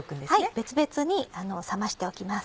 別々に冷ましておきます。